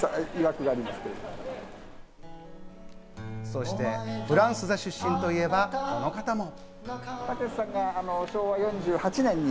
そしてフランス座出身といえば、あの方も。